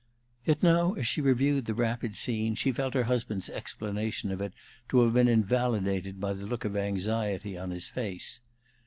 Yet now, as she reviewed the rapid scene, she felt her husband's explanation of it to have been invalidated by the look of anxiety on his face.